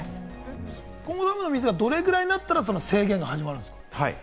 今後ダムの水がどれぐらいになったら制限が始まるんですか？